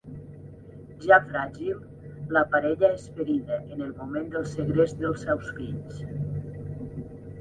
Ja fràgil, la parella és ferida en el moment del segrest dels seus fills.